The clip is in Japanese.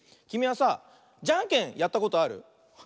きみはさじゃんけんやったことある？